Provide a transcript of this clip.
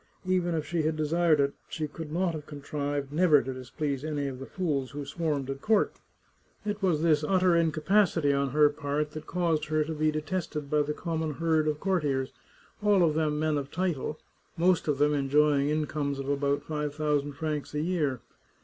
Even if she had desired it she could not have contrived never to displease any of the fools who swarmed at court. It was this utter incapacity on her part that caused her to be detested by the common herd of courtiers, all of them men of title, most of them enjoying incomes of about five thousand francs a year.